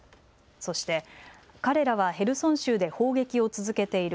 そして彼らはヘルソン州で攻撃を続けている。